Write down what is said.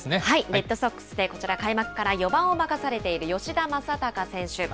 レッドソックスでこちら開幕から４番を任されている吉田正尚選手。